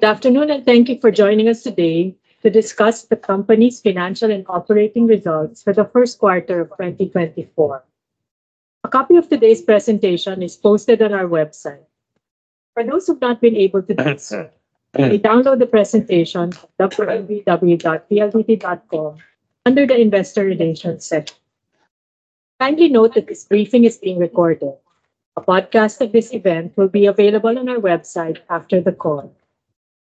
Good afternoon, and thank you for joining us today to discuss the company's financial and operating results for the Q1 of 2024. A copy of today's presentation is posted on our website. For those who've not been able to access, you download the presentation at www.pldt.com under the Investor Relations section. Kindly note that this briefing is being recorded. A podcast of this event will be available on our website after the call.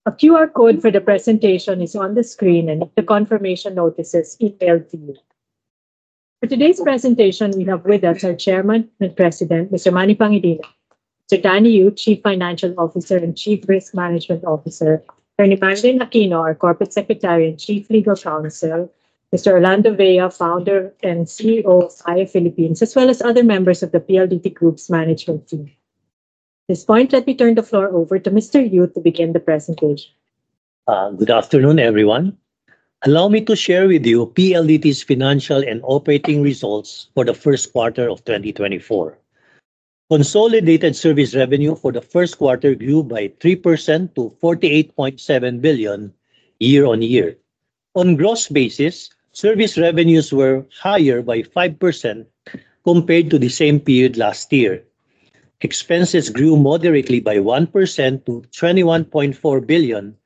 A QR code for the presentation is on the screen, and the confirmation notice is emailed to you. For today's presentation, we have with us our Chairman and President, Mr. Manny Pangilinan, Sir Danny Y. Yu, Chief Financial Officer and Chief Risk Management Officer, Atty. Marilyn A. Victorio-Aquino, our Corporate Secretary and Chief Legal Counsel, Mr. Orlando B. Vea, Founder and CEO of Maya Philippines, as well as other members of the PLDT group's management team. At this point, let me turn the floor over to Mr. Yu to begin the presentation. Good afternoon, everyone. Allow me to share with you PLDT's financial and operating results for the Q1 of 2024. Consolidated service revenue for the Q1 grew by 3% to 48.7 billion, year-on-year. On gross basis, service revenues were higher by 5% compared to the same period last year. Expenses grew moderately by 1% to 21.4 billion.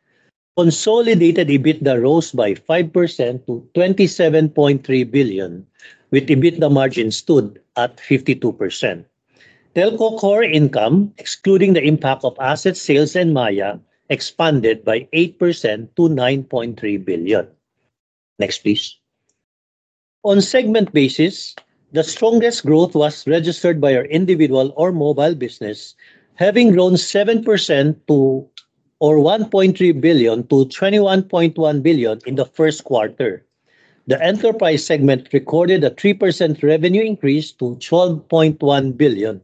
Consolidated EBITDA rose by 5% to 27.3 billion, with EBITDA margins stood at 52%. Telco core income, excluding the impact of asset sales and Maya, expanded by 8% to 9.3 billion. Next, please. On segment basis, the strongest growth was registered by our individual or mobile business, having grown 7% to... or 1.3 billion to 21.1 billion in the Q1. The enterprise segment recorded a 3% revenue increase to 12.1 billion.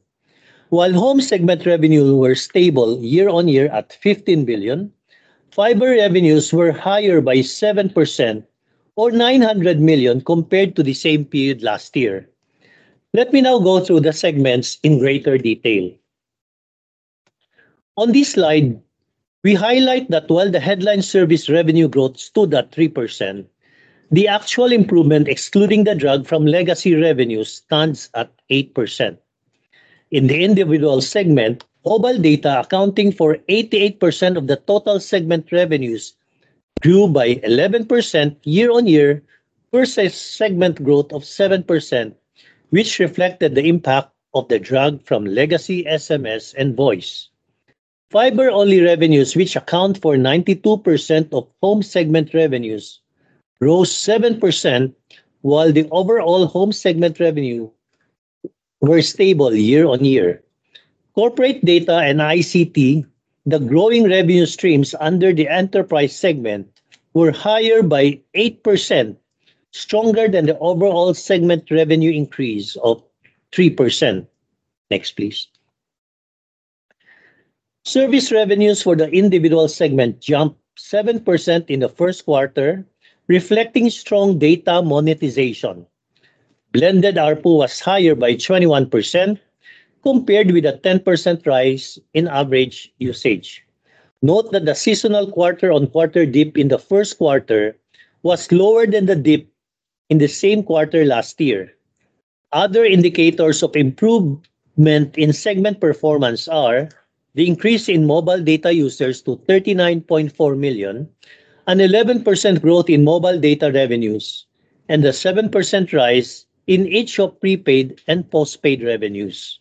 While home segment revenue were stable year-on-year at 15 billion, fiber revenues were higher by 7% or 900 million compared to the same period last year. Let me now go through the segments in greater detail. On this slide, we highlight that while the headline service revenue growth stood at 3%, the actual improvement, excluding the drag from legacy revenues, stands at 8%. In the individual segment, mobile data, accounting for 88% of the total segment revenues, grew by 11% year-on-year versus segment growth of 7%, which reflected the impact of the drag from legacy SMS and voice. Fiber-only revenues, which account for 92% of home segment revenues, rose 7%, while the overall home segment revenue were stable year-on-year. Corporate data and ICT, the growing revenue streams under the enterprise segment, were higher by 8%, stronger than the overall segment revenue increase of 3%. Next, please. Service revenues for the individual segment jumped 7% in the Q1, reflecting strong data monetization. Blended ARPU was higher by 21%, compared with a 10% rise in average usage. Note that the seasonal quarter-on-quarter dip in the Q1 was lower than the dip in the same quarter last year. Other indicators of improvement in segment performance are the increase in mobile data users to 39.4 million, an 11% growth in mobile data revenues, and a 7% rise in each of prepaid and postpaid revenues.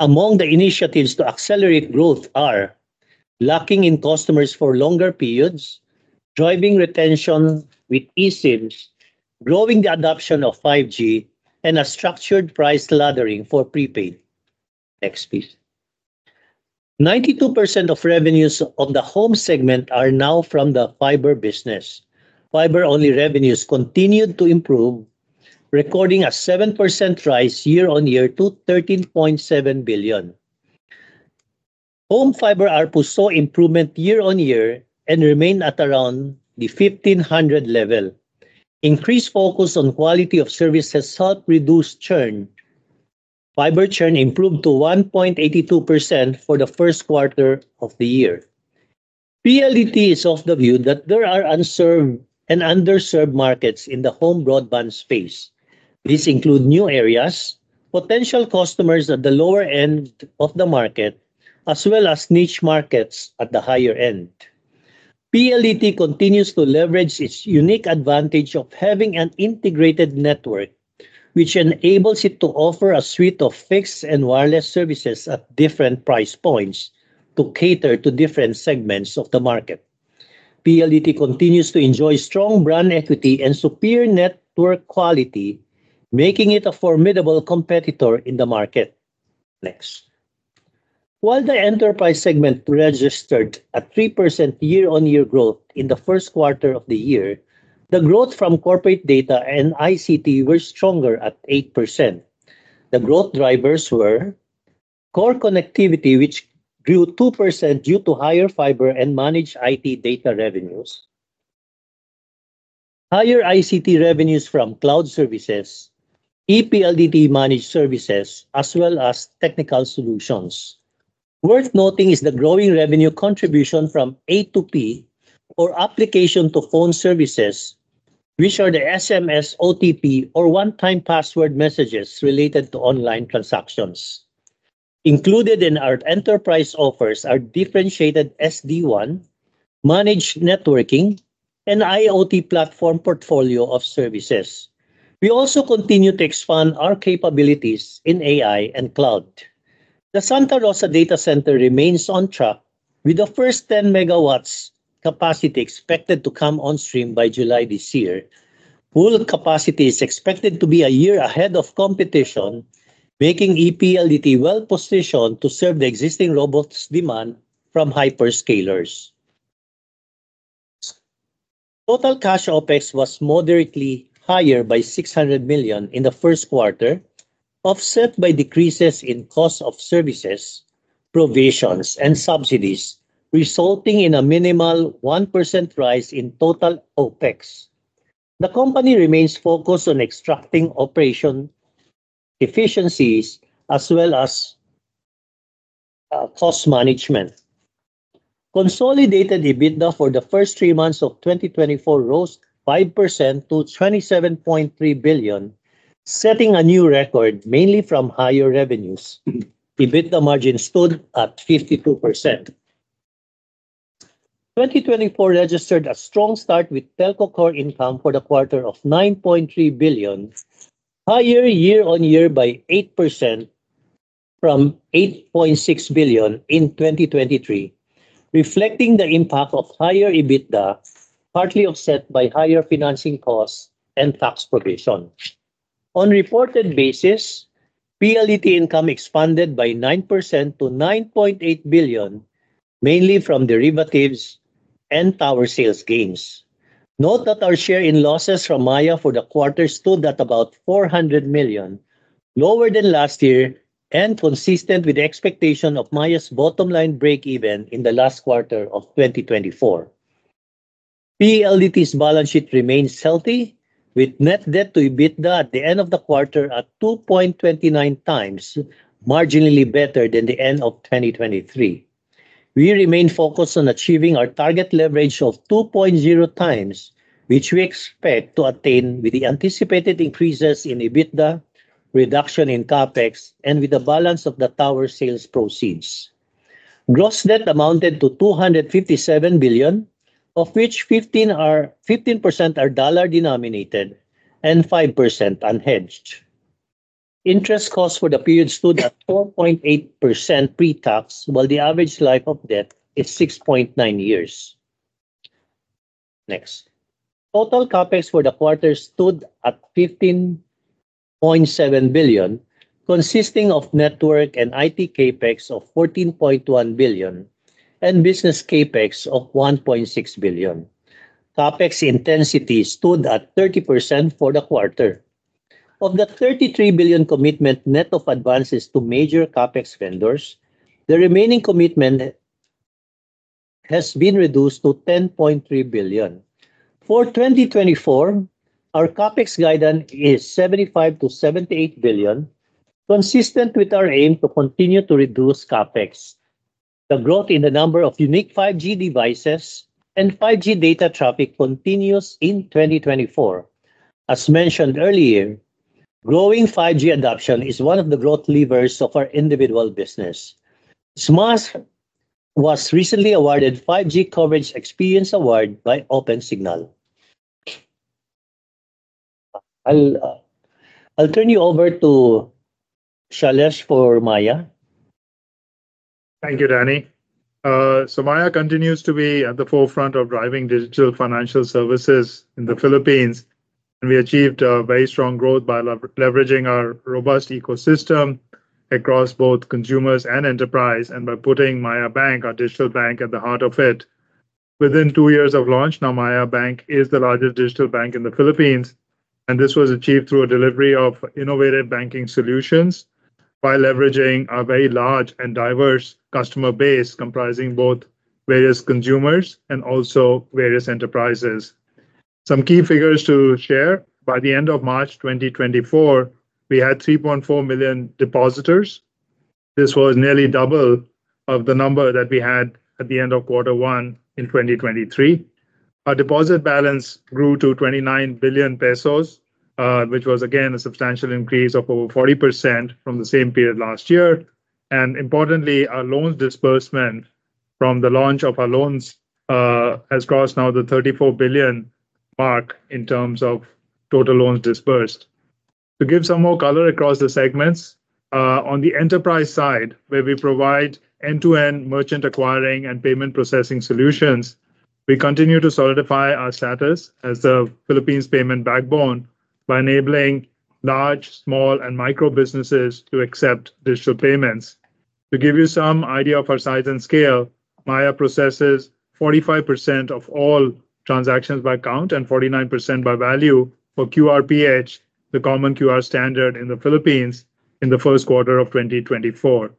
Among the initiatives to accelerate growth are locking in customers for longer periods, driving retention with eSIMs, growing the adoption of 5G, and a structured price laddering for prepaid. Next, please. 92% of revenues on the home segment are now from the fiber business. Fiber-only revenues continued to improve, recording a 7% rise year-on-year to 13.7 billion. Home fiber ARPU saw improvement year-on-year and remained at around the 1,500 level. Increased focus on quality of service has helped reduce churn. Fiber churn improved to 1.82% for the Q1 of the year. PLDT is of the view that there are unserved and underserved markets in the home broadband space. These include new areas, potential customers at the lower end of the market, as well as niche markets at the higher end. PLDT continues to leverage its unique advantage of having an integrated network, which enables it to offer a suite of fixed and wireless services at different price points to cater to different segments of the market. PLDT continues to enjoy strong brand equity and superior network quality, making it a formidable competitor in the market. Next. While the enterprise segment registered a 3% year-on-year growth in the Q1 of the year, the growth from corporate data and ICT were stronger at 8%. The growth drivers were core connectivity, which grew 2% due to higher fiber and managed IT data revenues.... Higher ICT revenues from cloud services, ePLDT managed services, as well as technical solutions. Worth noting is the growing revenue contribution from A2P, or Application-to-Person services, which are the SMS, OTP, or one-time password messages related to online transactions. Included in our enterprise offers are differentiated SD-WAN, managed networking, and IoT platform portfolio of services. We also continue to expand our capabilities in AI and cloud. The Santa Rosa data center remains on track, with the first 10 MW capacity expected to come on stream by July this year. Full capacity is expected to be a year ahead of competition, making PLDT well positioned to serve the existing robust demand from hyperscalers. Total cash OPEX was moderately higher by 600 million in the Q1, offset by decreases in cost of services, provisions, and subsidies, resulting in a minimal 1% rise in total OPEX. The company remains focused on extracting operation efficiencies as well as, cost management. Consolidated EBITDA for the first 3 months of 2024 rose 5% to 27.3 billion, setting a new record, mainly from higher revenues. EBITDA margin stood at 52%. 2024 registered a strong start, with telco core income for the quarter of 9.3 billion, higher year-on-year by 8% from 8.6 billion in 2023, reflecting the impact of higher EBITDA, partly offset by higher financing costs and tax provisions. On reported basis, PLDT income expanded by 9% to 9.8 billion, mainly from derivatives and tower sales gains. Note that our share in losses from Maya for the quarter stood at about 400 million, lower than last year, and consistent with the expectation of Maya's bottom-line break even in the last quarter of 2024. PLDT's balance sheet remains healthy, with net debt to EBITDA at the end of the quarter at 2.29x, marginally better than the end of 2023. We remain focused on achieving our target leverage of 2.0x, which we expect to attain with the anticipated increases in EBITDA, reduction in CapEx, and with the balance of the tower sales proceeds. Gross debt amounted to 257 billion, of which 15% are dollar-denominated and 5% unhedged. Interest costs for the period stood at 4.8% pre-tax, while the average life of debt is 6.9 years. Next. Total CapEx for the quarter stood at 15.7 billion, consisting of network and IT CapEx of 14.1 billion and business CapEx of 1.6 billion. CapEx intensity stood at 30% for the quarter. Of the 33 billion commitment net of advances to major CapEx vendors, the remaining commitment has been reduced to 10.3 billion. For 2024, our CapEx guidance is 75 billion-78 billion, consistent with our aim to continue to reduce CapEx. The growth in the number of unique 5G devices and 5G data traffic continues in 2024. As mentioned earlier, growing 5G adoption is one of the growth levers of our individual business. Smart was recently awarded 5G Coverage Experience Award by Opensignal. I'll turn you over to Shailesh for Maya. Thank you, Danny. So Maya continues to be at the forefront of driving digital financial services in the Philippines, and we achieved a very strong growth by leveraging our robust ecosystem across both consumers and enterprise, and by putting Maya Bank, our digital bank, at the heart of it. Within 2 years of launch, now Maya Bank is the largest digital bank in the Philippines, and this was achieved through a delivery of innovative banking solutions by leveraging our very large and diverse customer base, comprising both various consumers and also various enterprises. Some key figures to share: by the end of March 2024, we had 3.4 million depositors. This was nearly double of the number that we had at the end of Q1 in 2023. Our deposit balance grew to 29 billion pesos, which was, again, a substantial increase of over 40% from the same period last year. Importantly, our loans disbursement from the launch of our loans has crossed now the 34 billion mark in terms of total loans disbursed. To give some more color across the segments, on the enterprise side, where we provide end-to-end merchant acquiring and payment processing solutions, we continue to solidify our status as the Philippines' payment backbone by enabling large, small, and micro businesses to accept digital payments. To give you some idea of our size and scale, Maya processes 45% of all transactions by count and 49% by value for QR Ph, the common QR standard in the Philippines, in the Q1 of 2024.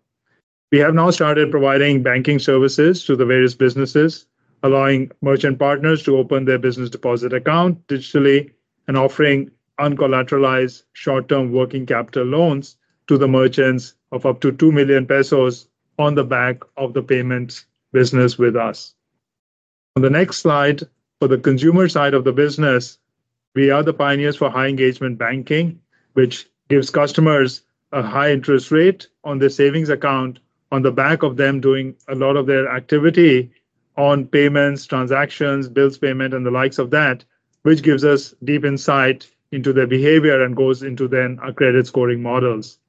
We have now started providing banking services to the various businesses, allowing merchant partners to open their business deposit account digitally, and offering uncollateralized short-term working capital loans to the merchants of up to 2 million pesos on the back of the payment business with us. On the next slide, for the consumer side of the business, we are the pioneers for high-engagement banking, which gives customers a high interest rate on their savings account on the back of them doing a lot of their activity on payments, transactions, bills payment, and the likes of that, which gives us deep insight into their behavior and goes into then our credit scoring models.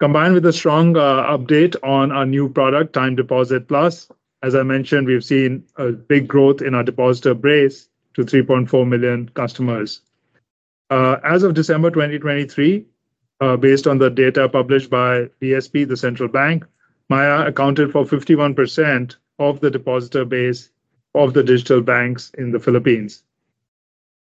Combined with a strong update on our new product, Time Deposit Plus, as I mentioned, we've seen a big growth in our depositor base to 3.4 million customers. As of December 2023, based on the data published by BSP, the central bank, Maya accounted for 51% of the depositor base of the digital banks in the Philippines.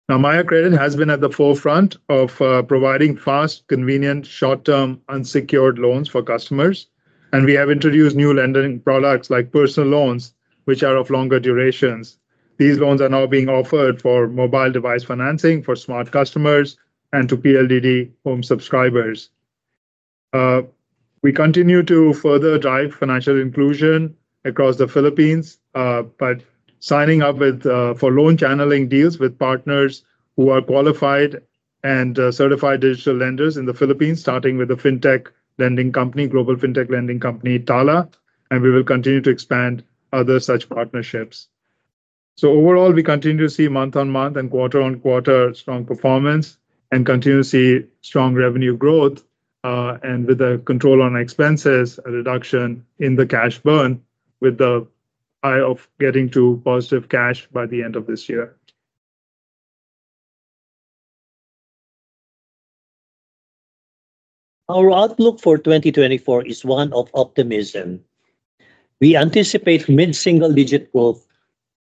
Now, Maya Credit has been at the forefront of providing fast, convenient, short-term, unsecured loans for customers, and we have introduced new lending products like personal loans, which are of longer durations. These loans are now being offered for mobile device financing for Smart customers and to PLDT home subscribers. We continue to further drive financial inclusion across the Philippines, by signing up with for loan channeling deals with partners who are qualified and certified digital lenders in the Philippines, starting with the fintech lending company, global fintech lending company Tala and we will continue to expand other such partnerships. So overall, we continue to see month-on-month and quarter-on-quarter strong performance, and continue to see strong revenue growth, and with a control on expenses, a reduction in the cash burn, with the eye of getting to positive cash by the end of this year. Our outlook for 2024 is one of optimism. We anticipate mid-single-digit growth,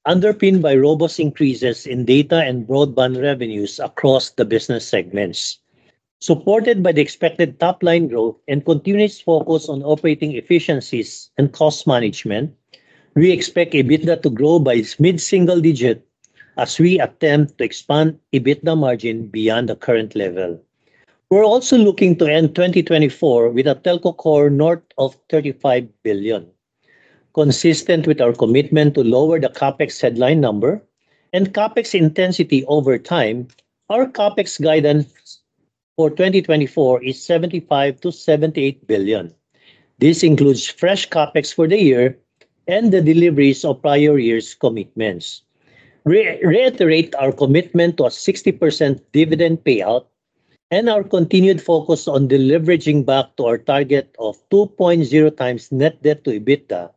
underpinned by robust increases in data and broadband revenues across the business segments. Supported by the expected top-line growth and continuous focus on operating efficiencies and cost management, we expect EBITDA to grow by mid-single digit, as we attempt to expand EBITDA margin beyond the current level. We're also looking to end 2024 with a telco core north of 35 billion. Consistent with our commitment to lower the CapEx headline number and CapEx intensity over time, our CapEx guidance for 2024 is 75-78 billion. This includes fresh CapEx for the year and the deliveries of prior years' commitments. Reiterate our commitment to a 60% dividend payout, and our continued focus on deleveraging back to our target of 2.0 times net debt to EBITDA,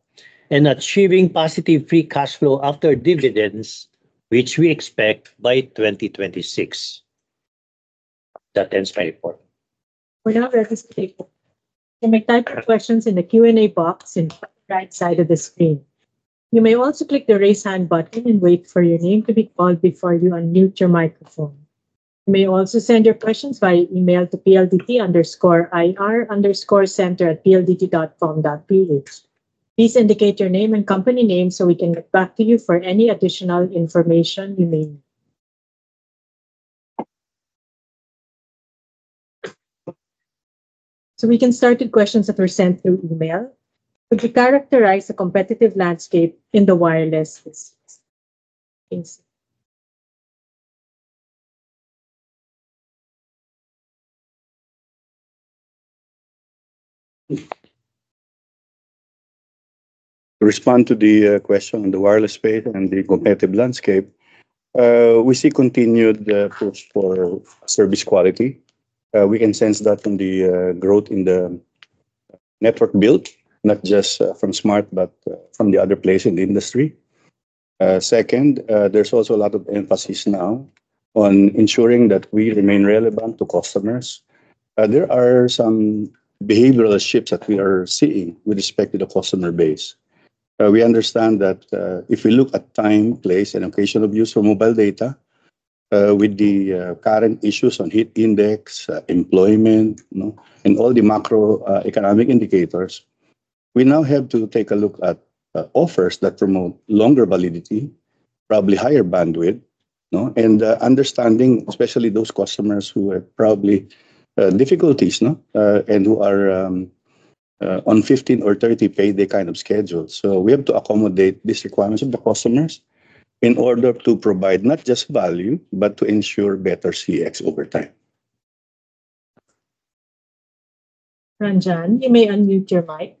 and achieving positive free cash flow after dividends, which we expect by 2026. That ends my report. We now go to speak. You may type your questions in the Q&A box on the right side of the screen. You may also click the Raise Hand button and wait for your name to be called before you unmute your microphone. You may also send your questions by email to PLDT_IR_center@pldt.com.ph. Please indicate your name and company name so we can get back to you for any additional information you may need. So we can start with questions that were sent through email. "Could you characterize the competitive landscape in the wireless business? Thanks. To respond to the question on the wireless space and the competitive landscape, we see continued push for service quality. We can sense that from the growth in the network build, not just from Smart, but from the other players in the industry. Second, there's also a lot of emphasis now on ensuring that we remain relevant to customers. There are some behavioral shifts that we are seeing with respect to the customer base. We understand that if we look at time, place, and occasion of use for mobile data, with the current issues on heat index, employment, you know, and all the macroeconomic indicators, we now have to take a look at offers that promote longer validity, probably higher bandwidth, no? Understanding, especially those customers who have probably difficulties, and who are on 15 or 30-day kind of schedule. So we have to accommodate these requirements of the customers in order to provide not just value, but to ensure better CX over time. Ranjan, you may unmute your mic.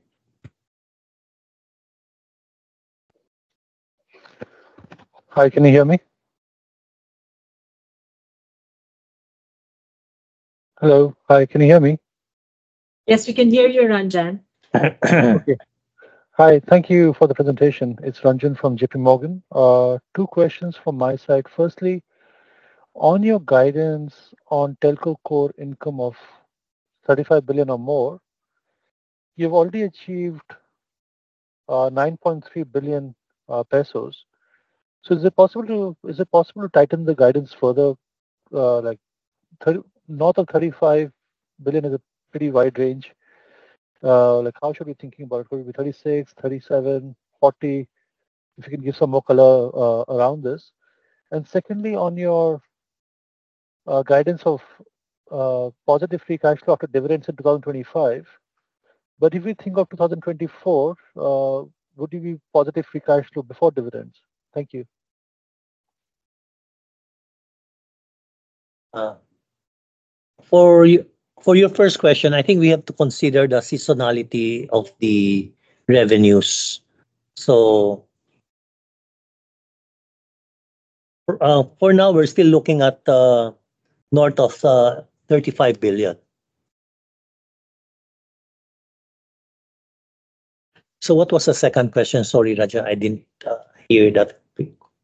Hi, can you hear me? Hello. Hi, can you hear me? Yes, we can hear you, Ranjan. Okay. Hi, thank you for the presentation. It's Ranjan from J.P. Morgan. Two questions from my side. Firstly, on your guidance on telco core income of 35 billion or more, you've already achieved 9.3 billion pesos. So is it possible to, is it possible to tighten the guidance further, like, north of 35 billion is a pretty wide range. Like, how should we be thinking about it? Will it be 36, 37, 40? If you can give some more color around this. And secondly, on your guidance of positive free cash flow after dividends in 2025, but if we think of 2024, would you be positive free cash flow before dividends? Thank you. For your first question, I think we have to consider the seasonality of the revenues. So, for now, we're still looking at north of 35 billion. So what was the second question? Sorry, Ranjan, I didn't hear that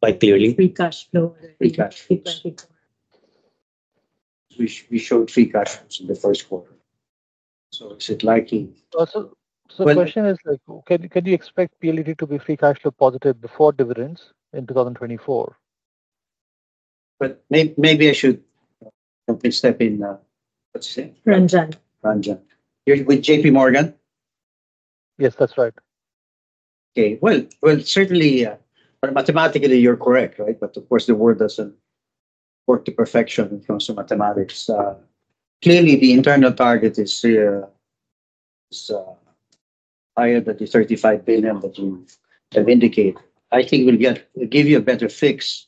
quite clearly. free cash flow. Free cash flow. We showed free cash flows in the Q1, so is it likely? So the question is like, can you expect PLDT to be free cash flow positive before dividends in 2024? But maybe I should maybe step in, what'd you say? Ranjan. Ranjan. You're with J.P. Morgan? Yes, that's right. Okay. Well, well, certainly, well, mathematically, you're correct, right? But of course, the world doesn't work to perfection when it comes to mathematics. Clearly, the internal target is higher than the 35 billion that you have indicated. I think we'll get... We'll give you a better fix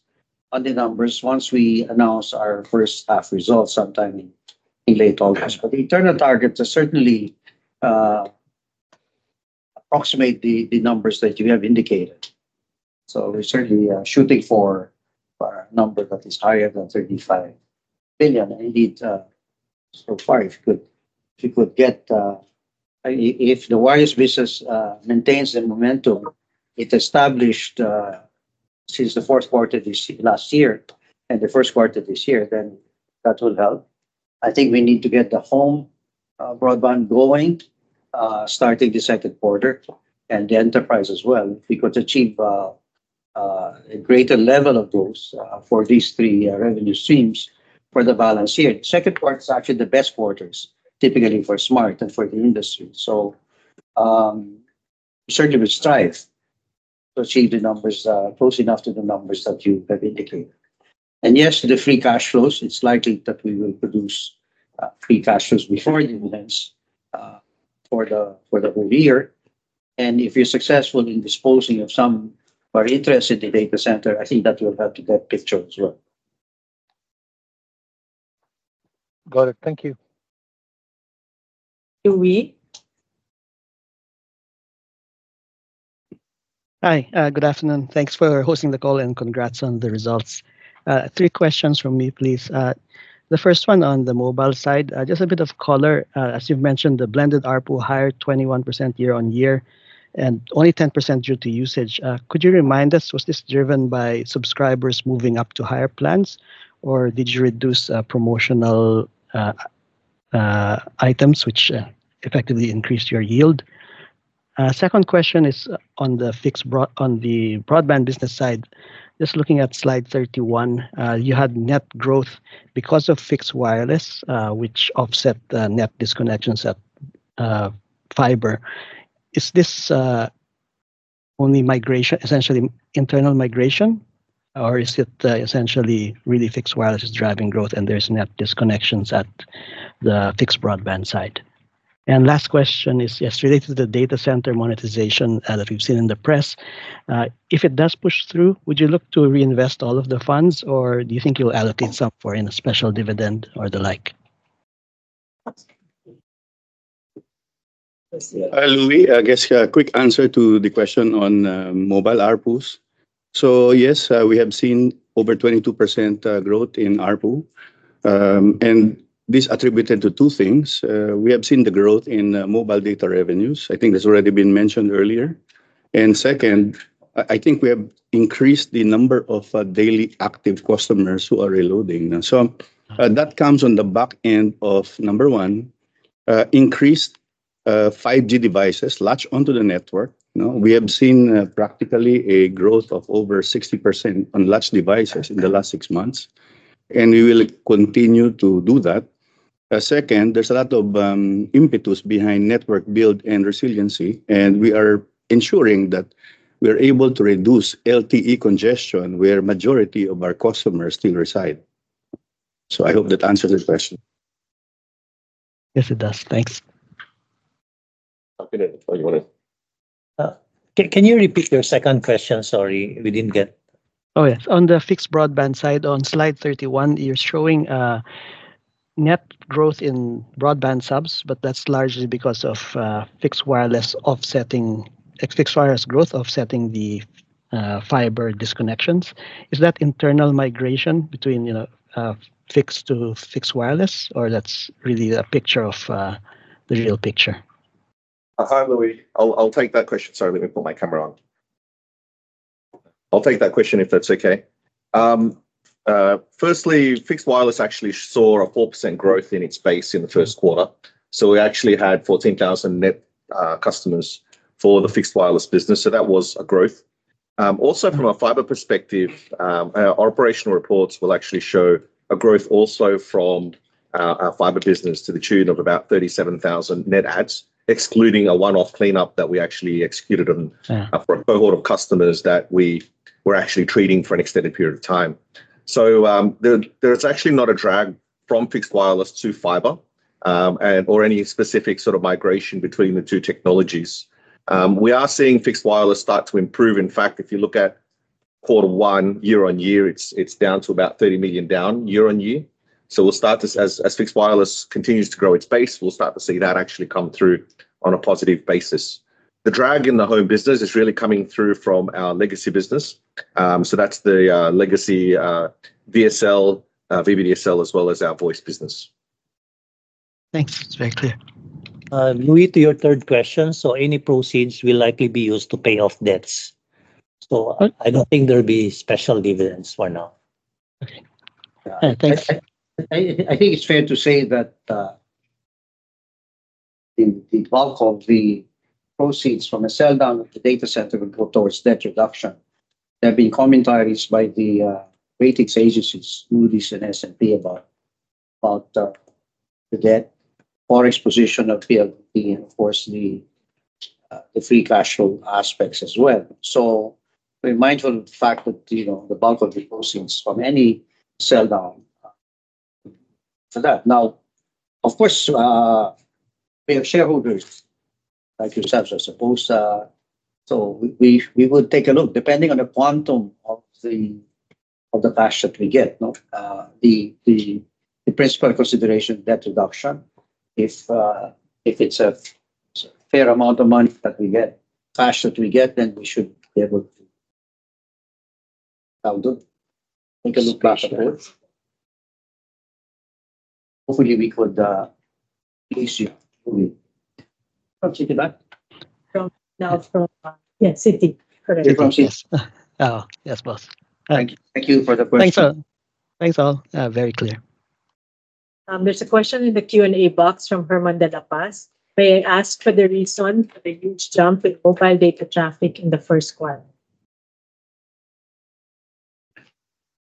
on the numbers once we announce our H1 results sometime in late August. But the internal targets are certainly approximate the numbers that you have indicated. So we're certainly shooting for a number that is higher than 35 billion. Indeed, so far, if we could get... If the wireless business maintains the momentum it established since the Q4 this last year and the Q1 this year, then that will help. I think we need to get the home broadband going starting the Q2, and the enterprise as well. If we could achieve a greater level of those for these three revenue streams for the balance year. Q2 is actually the best quarters, typically for Smart and for the industry, so certainly we strive to achieve the numbers close enough to the numbers that you have indicated. And yes, the free cash flows, it's likely that we will produce free cash flows before dividends for the, for the whole year. And if we're successful in disposing of some partial interest in the data center, I think that will help that picture as well. Got it. Thank you. Luis? Hi. Good afternoon. Thanks for hosting the call, and congrats on the results. Three questions from me, please. The first one on the mobile side, just a bit of color. As you've mentioned, the blended ARPU higher, 21% year-on-year, and only 10% due to usage. Could you remind us, was this driven by subscribers moving up to higher plans, or did you reduce promotional items, which effectively increased your yield? Second question is on the fixed broadband business side. Just looking at slide 31, you had net growth because of fixed wireless, which offset the net disconnections at fiber. Is this only migration, essentially internal migration, or is it essentially really fixed wireless is driving growth and there's net disconnections at the fixed broadband side? Last question is, yes, related to the data center monetization that we've seen in the press. If it does push through, would you look to reinvest all of the funds, or do you think you'll allocate some for any special dividend or the like? Hi, Luis. I guess a quick answer to the question on mobile ARPUs. So yes, we have seen over 22% growth in ARPU, and this attributed to two things. We have seen the growth in mobile data revenues, I think that's already been mentioned earlier. And second, I think we have increased the number of daily active customers who are reloading now. So, that comes on the back end of number 1, increased 5G devices latch onto the network. You know, we have seen practically a growth of over 60% on latched devices in the last six months, and we will continue to do that. Second, there's a lot of impetus behind network build and resiliency, and we are ensuring that we're able to reduce LTE congestion where majority of our customers still reside. I hope that answered your question. Yes, it does. Thanks. Okay, then, oh, you want to... Can you repeat your second question? Sorry, we didn't get... Oh, yes. On the fixed broadband side, on slide 31, you're showing net growth in broadband subs, but that's largely because of fixed wireless growth offsetting the fiber disconnections. Is that internal migration between, you know, fixed to fixed wireless, or that's really the picture of the real picture? Hi, Luis. I'll take that question. Sorry, let me put my camera on.... I'll take that question, if that's okay. Firstly, fixed wireless actually saw a 4% growth in its base in the Q1, so we actually had 14,000 net customers for the fixed wireless business, so that was a growth. Also from a fiber perspective, our operational reports will actually show a growth also from our fiber business to the tune of about 37,000 net adds, excluding a one-off cleanup that we actually executed on- Mm. For a cohort of customers that we were actually treating for an extended period of time. So, there, there's actually not a drag from fixed wireless to fiber, and or any specific sort of migration between the two technologies. We are seeing fixed wireless start to improve. In fact, if you look at Q1 year-on-year, it's down to about 30 million down year-on-year. So we'll start to as fixed wireless continues to grow its base, we'll start to see that actually come through on a positive basis. The drag in the home business is really coming through from our legacy business. So that's the legacy DSL, VDSL, as well as our voice business. Thanks. It's very clear. Luis, to your third question, so any proceeds will likely be used to pay off debts. Oh... I don't think there'll be special dividends for now. Okay. Thanks. I think it's fair to say that the bulk of the proceeds from a sell down of the data center will go towards debt reduction. There have been commentaries by the ratings agencies, Moody's and S&P, about the debt or exposure of PLD, and of course, the free cash flow aspects as well. So be mindful of the fact that, you know, the bulk of the proceeds from any sell down for that. Now, of course, we have shareholders, like yourselves, I suppose. So we would take a look, depending on the quantum of the cash that we get, no? The principal consideration, debt reduction, if it's a fair amount of money that we get, cash that we get, then we should be able to... I'll take a look at that. Hopefully, we could please you. From Citibank? No, from... Yes, Citi. Correct. From Citi. Oh, yes, boss. Thank you. Thank you for the question. Thanks, all. Thanks, all. Very clear. There's a question in the Q&A box from German de la Paz, where he asked for the reason for the huge jump in mobile data traffic in the Q1.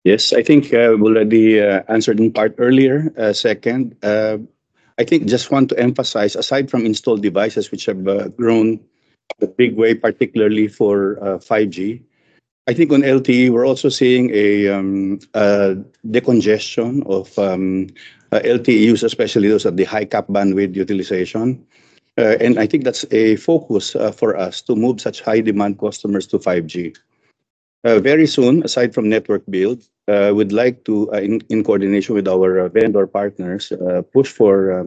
Yes, I think I already answered in part earlier. Second, I think just want to emphasize, aside from installed devices, which have grown a big way, particularly for 5G, I think on LTE, we're also seeing a decongestion of LTE users, especially those of the high cap bandwidth utilization. And I think that's a focus for us to move such high-demand customers to 5G. Very soon, aside from network build, we'd like to, in coordination with our vendor partners, push for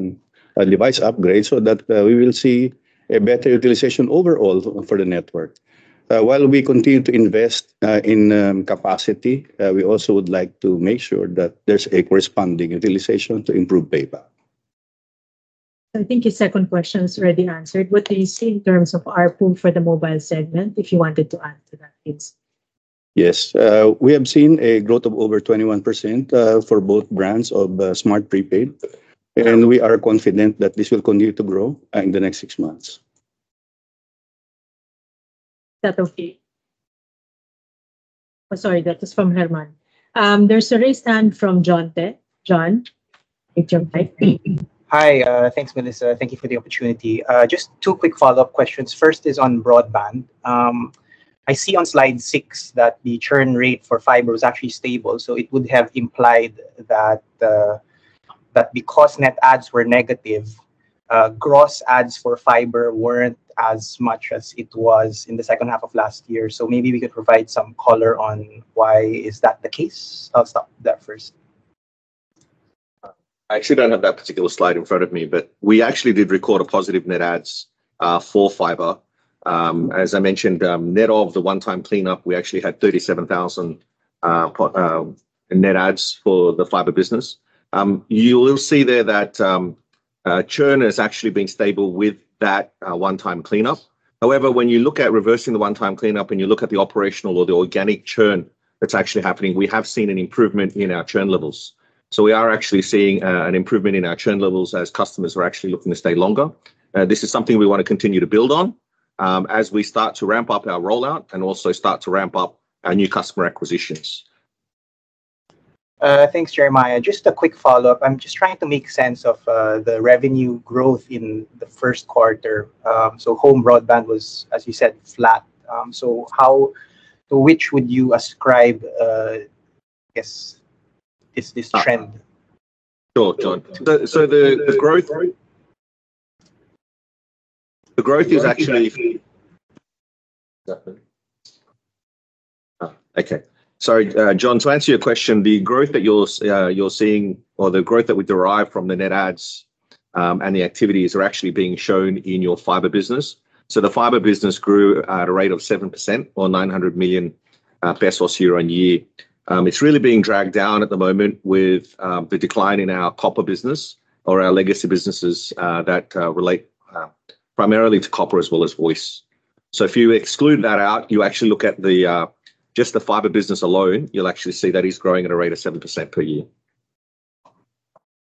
a device upgrade so that we will see a better utilization overall for the network. While we continue to invest in capacity, we also would like to make sure that there's a corresponding utilization to improve payback. I think his second question is already answered. What do you see in terms of ARPU for the mobile segment, if you wanted to add to that, please? Yes. We have seen a growth of over 21% for both brands of Smart Prepaid, and we are confident that this will continue to grow in the next 6 months. Is that okay? Oh, sorry, that was from German. There's a raised hand from John Te. John, hey, John Te. Hi. Thanks, Melissa. Thank you for the opportunity. Just two quick follow-up questions. First is on broadband. I see on slide 6 that the churn rate for fiber was actually stable, so it would have implied that, that because net adds were negative, gross adds for fiber weren't as much as it was in the H2 of last year. So maybe we could provide some color on why is that the case? I'll stop there first. I actually don't have that particular slide in front of me, but we actually did record a positive net adds for fiber. As I mentioned, net of the one-time cleanup, we actually had 37,000 net adds for the fiber business. You will see there that, churn has actually been stable with that, one-time cleanup. However, when you look at reversing the one-time cleanup, and you look at the operational or the organic churn that's actually happening, we have seen an improvement in our churn levels. So we are actually seeing, an improvement in our churn levels as customers are actually looking to stay longer. This is something we want to continue to build on, as we start to ramp up our rollout and also start to ramp up our new customer acquisitions. Thanks, Jeremiah. Just a quick follow-up. I'm just trying to make sense of, the revenue growth in the Q1. So home broadband was, as you said, flat. So how... To which would you ascribe, I guess, this, this trend? Sure, John. So, so the, the growth- the growth is actually... Okay. Sorry, John, to answer your question, the growth that you're seeing or the growth that we derive from the net adds, and the activities are actually being shown in your fiber business. So the fiber business grew at a rate of 7% or 900 million pesos year-on-year. It's really being dragged down at the moment with the decline in our copper business or our legacy businesses that relate primarily to copper as well as voice. So if you exclude that out, you actually look at just the fiber business alone, you'll actually see that it's growing at a rate of 7% per year.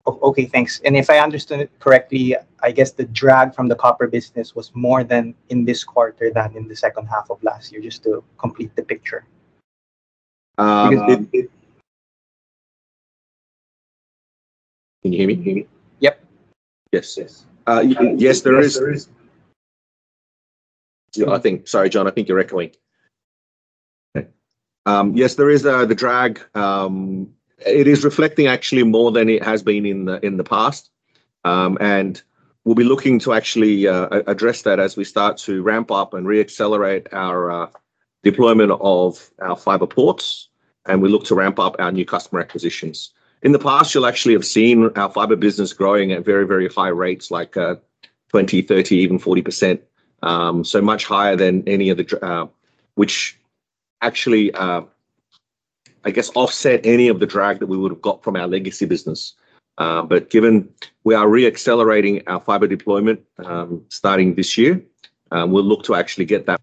Okay, thanks. If I understood it correctly, I guess the drag from the copper business was more than in this quarter than in the H2 of last year, just to complete the picture. Um- Because it, Can you hear me? Yep. Yes, yes. Yes, there is. There is. Sorry, John, I think you're echoing. Okay. Yes, there is the drag. It is reflecting actually more than it has been in the past. And we'll be looking to actually address that as we start to ramp up and reaccelerate our deployment of our fiber ports, and we look to ramp up our new customer acquisitions. In the past, you'll actually have seen our fiber business growing at very, very high rates like 20, 30, even 40%. So much higher than any other, which actually, I guess, offset any of the drag that we would've got from our legacy business. But given we are reaccelerating our fiber deployment, starting this year, we'll look to actually get that.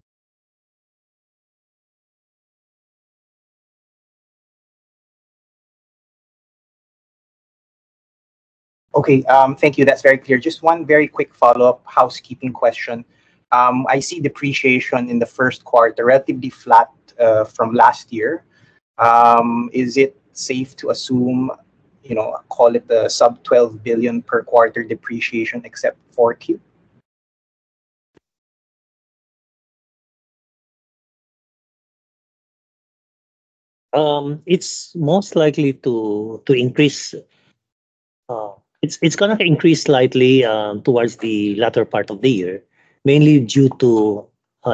Okay, thank you. That's very clear. Just one very quick follow-up housekeeping question. I see depreciation in the Q1, relatively flat, from last year. Is it safe to assume, you know, call it the sub-PHP 12 billion per quarter depreciation, except for Q? It's most likely to increase. It's gonna increase slightly towards the latter part of the year, mainly due to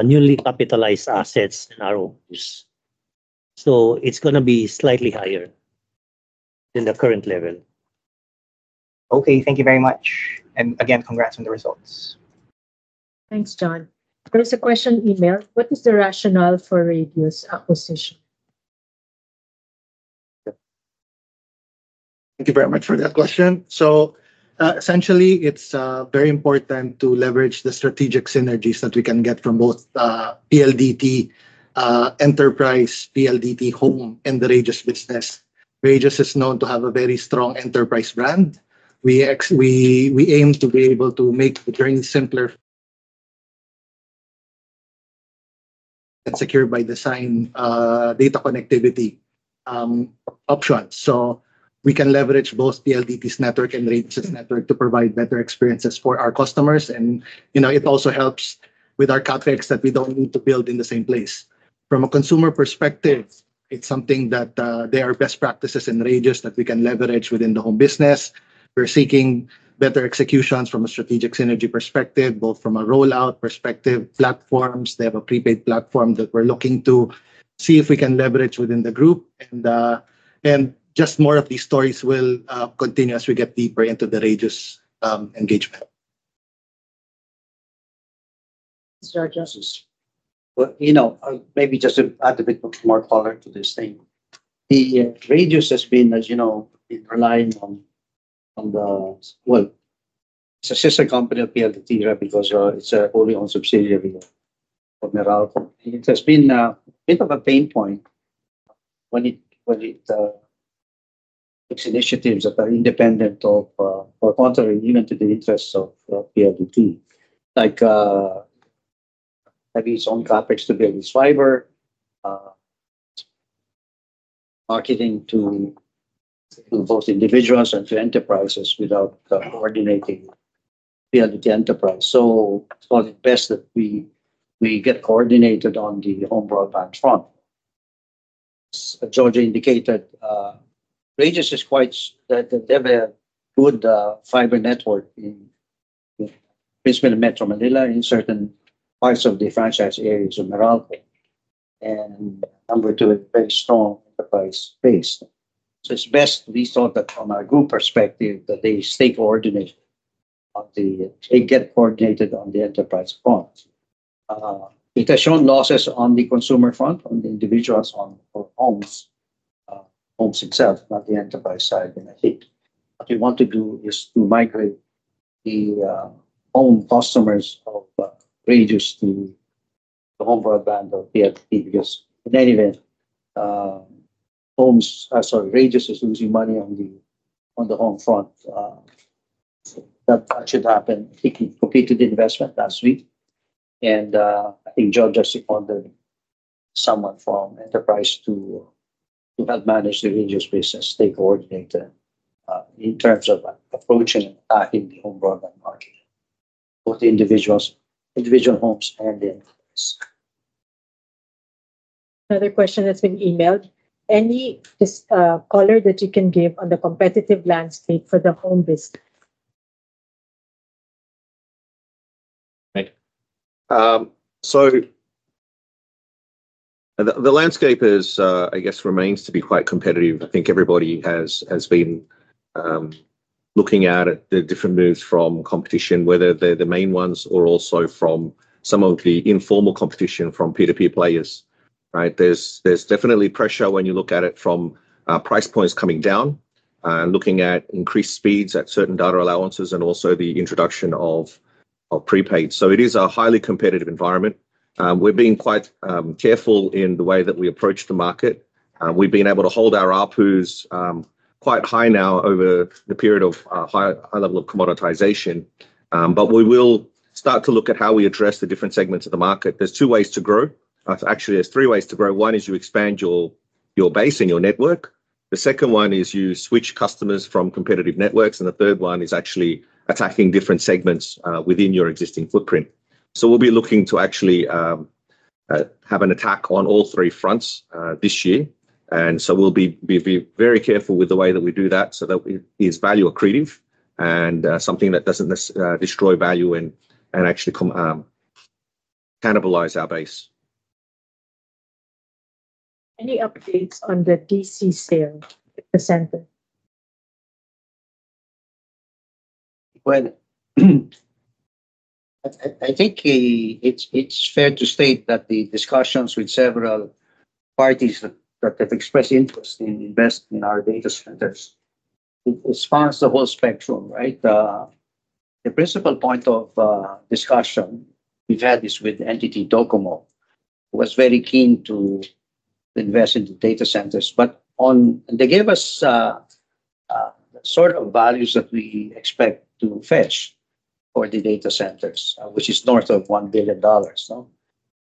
newly capitalized assets in our ROUs. So it's gonna be slightly higher than the current level. Okay, thank you very much. And again, congrats on the results. Thanks, John. There is a question emailed: What is the rationale for Radius acquisition? Thank you very much for that question. So, essentially, it's very important to leverage the strategic synergies that we can get from both PLDT Enterprise, PLDT Home, and the Radius business. Radius is known to have a very strong enterprise brand. We aim to be able to make the journey simpler and secure by design, data connectivity options. So we can leverage both PLDT's network and Radius' network to provide better experiences for our customers, and, you know, it also helps with our CapEx that we don't need to build in the same place. From a consumer perspective, it's something that there are best practices in Radius that we can leverage within the home business. We're seeking better executions from a strategic synergy perspective, both from a rollout perspective, platforms. They have a prepaid platform that we're looking to see if we can leverage within the group, and just more of these stories will continue as we get deeper into the Radius engagement. Sorry, just- Well, you know, maybe just to add a bit more color to this thing. The Radius has been, as you know, relying on... Well, it's a sister company of PLDT, right, because it's a wholly-owned subsidiary of Meralco. It has been a bit of a pain point when it takes initiatives that are independent of or contrary even to the interests of PLDT. Like, having its own CapEx to build its fiber, marketing to both individuals and to enterprises without coordinating PLDT Enterprise. So for the best that we get coordinated on the home broadband front. As Jojo indicated, Radius is quite, they have a good fiber network in basically Metro Manila, in certain parts of the franchise areas of Meralco, and number 2, a very strong enterprise base. So it's best, we thought that from a group perspective, that they stay coordinated on the enterprise front. It has shown losses on the consumer front, on the individuals, on for homes, homes itself, not the enterprise side, and I think what we want to do is to migrate the home customers of Radius to the home broadband of PLDT, because in any event, homes, sorry, Radius is losing money on the home front. That should happen. He completed the investment last week, and I think Jojo has appointed someone from Enterprise to help manage the Radius business, stay coordinated, in terms of approaching and attacking the home broadband market, both individuals, individual homes and the enterprises. Another question that's been emailed: Any this color that you can give on the competitive landscape for the home business? Right. So the landscape is, I guess, remains to be quite competitive. I think everybody has been looking at the different moves from competition, whether they're the main ones or also from some of the informal competition from peer-to-peer players, right? There's definitely pressure when you look at it from price points coming down, looking at increased speeds at certain data allowances, and also the introduction of prepaid. So it is a highly competitive environment. We're being quite careful in the way that we approach the market. We've been able to hold our ARPUs quite high now over the period of high level of commoditization. But we will start to look at how we address the different segments of the market. There's 2 ways to grow. Actually, there's three ways to grow. One is you expand your base and your network; the second one is you switch customers from competitive networks; and the third one is actually attacking different segments within your existing footprint. So we'll be looking to actually have an attack on all 3 fronts this year, and so we'll be very careful with the way that we do that so that it is value accretive, and something that doesn't necessarily destroy value and actually completely cannibalize our base. Any updates on the DC sale, the center? Well, I think it's fair to state that the discussions with several parties that have expressed interest in investing in our data centers, it spans the whole spectrum, right? The principal point of discussion, we've had this with NTT DOCOMO, was very keen to invest in the data centers. But on, they gave us sort of values that we expect to fetch for the data centers, which is north of $1 billion, no?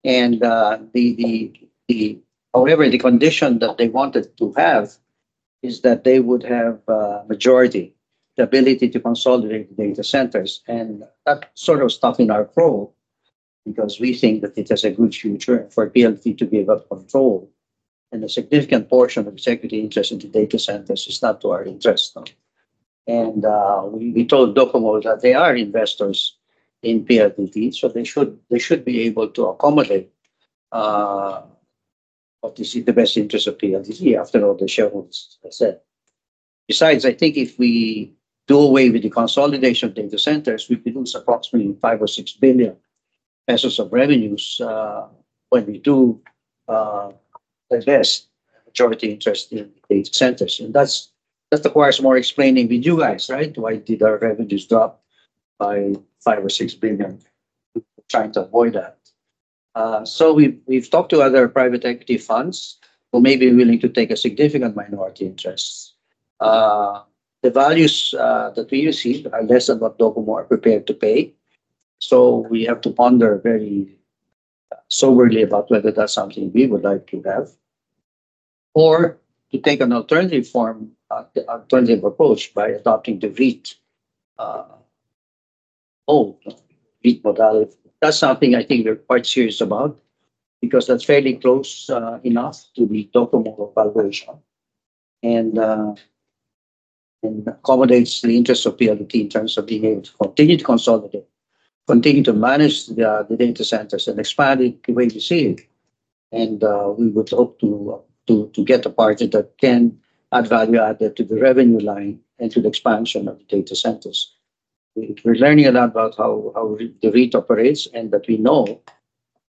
And however, the condition that they wanted to have is that they would have majority, the ability to consolidate the data centers, and that sort of stopped in our probe, because we think that it has a good future for PLDT to give up control, and a significant portion of executive interest in the data centers is not to our interest, no. And, we told Docomo that they are investors in PLDT, so they should be able to accommodate what they see the best interest of PLDT after all the shareholders have said. Besides, I think if we do away with the consolidation of data centers, we produce approximately 5 billion or 6 billion pesos of revenues, when we do divest majority interest in data centers, and that requires more explaining with you guys, right? Why did our revenues drop by 5 billion or 6 billion? Trying to avoid that. So we've talked to other private equity funds who may be willing to take a significant minority interest. The values that we receive are less than what Docomo are prepared to pay, so we have to ponder very soberly about whether that's something we would like to have, or to take an alternative form, alternative approach by adopting the REIT, model, REIT model. That's something I think we're quite serious about, because that's fairly close enough to the Docomo valuation, and, and accommodates the interest of PLDT in terms of being able to continue to consolidate, continue to manage the, the data centers, and expand it the way we see it. And, we would hope to, to, to get a party that can add value added to the revenue line and to the expansion of the data centers. We're learning a lot about how the REIT operates, and that we know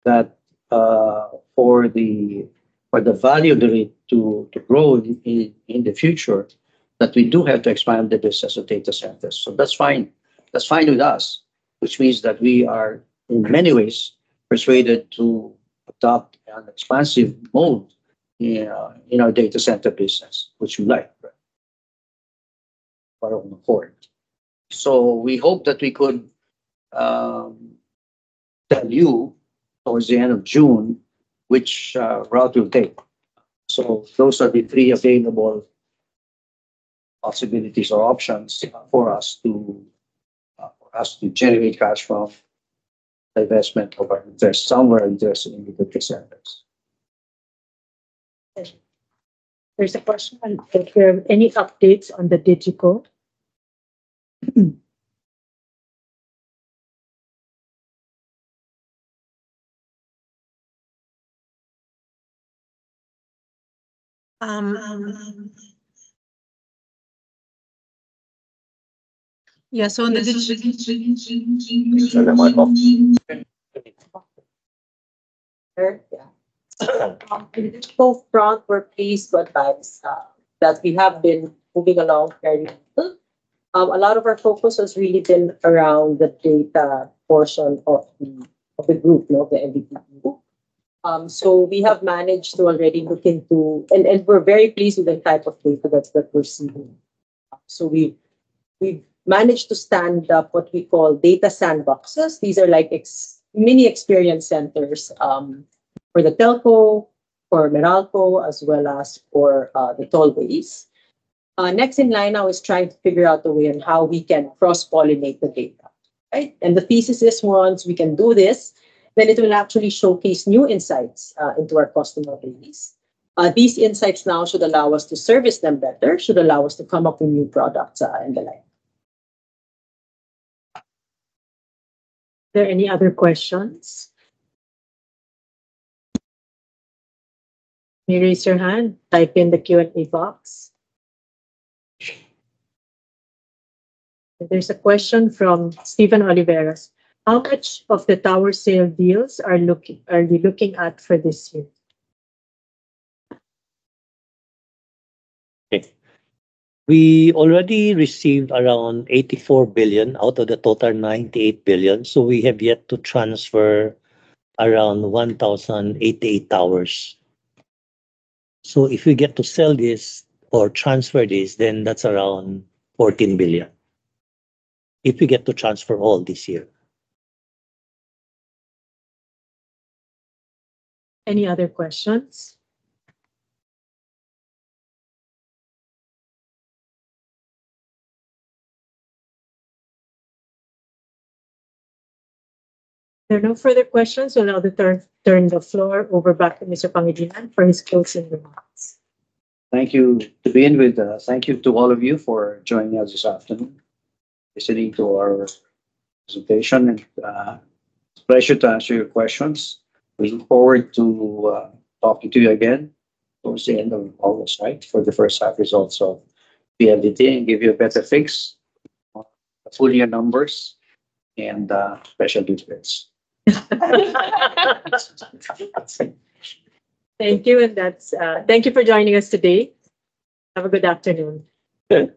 that for the value of the REIT to grow in the future, that we do have to expand the business of data centers. So that's fine, that's fine with us, which means that we are in many ways persuaded to adopt an expansive mode in our data center business, which we like, but important. So we hope that we could tell you towards the end of June which route we'll take. So those are the three available possibilities or options for us to generate cash from divestment of our interest, some of our interest in the data centers. There's a question, are there any updates on the digital? Yeah. On the digital front, we're pleased to advise that we have been moving along very well. A lot of our focus has really been around the data portion of the group, of the MVP group. So we have managed to already look into. We're very pleased with the type of data that we're seeing. So we've managed to stand up what we call data sandboxes. These are like ex-mini experience centers for the telco, for Meralco, as well as for the tollways. Next in line now is trying to figure out a way on how we can cross-pollinate the data, right? And the thesis is, once we can do this, then it will actually showcase new insights into our customer base. These insights now should allow us to service them better, should allow us to come up with new products, and the like. Are there any other questions? You raise your hand, type in the Q&A box. There's a question from Stephen Oliveros: How much of the tower sale deals are we looking at for this year? Okay. We already received around 84 billion out of the total 98 billion, so we have yet to transfer around 1,088 towers. So if we get to sell this or transfer this, then that's around 14 billion, if we get to transfer all this year. Any other questions? If there are no further questions, I'll now turn the floor over back to Mr. Pangilinan for his closing remarks. Thank you. To begin with, thank you to all of you for joining us this afternoon, listening to our presentation, and pleasure to answer your questions. We look forward to talking to you again towards the end of August, right, for the H1 results of PLDT, and give you a better fix on full year numbers and special dividends. Thank you, and that's... Thank you for joining us today. Have a good afternoon. Okay.